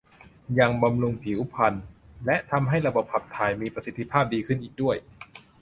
ยังบำรุงผิวพรรณและทำให้ระบบขับถ่ายมีประสิทธิภาพดีขึ้นอีกด้วย